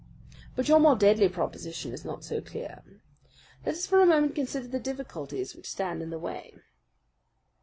But your more deadly proposition is not so clear. Let us for a moment consider the difficulties which stand in the way.